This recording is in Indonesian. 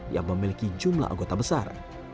yang memiliki jumlah anggota besar